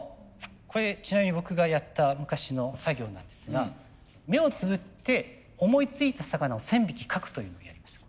これちなみに僕がやった昔の作業なんですが目をつむって思いついた魚を１，０００匹描くというのをやりました。